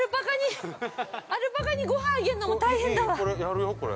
◆アルパカにごはんあげんのも大変だわ、これ。